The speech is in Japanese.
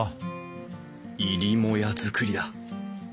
入母屋造りだ。